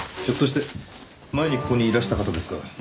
ひょっとして前にここにいらした方ですか？